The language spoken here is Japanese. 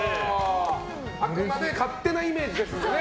あくまで勝手なイメージですんで。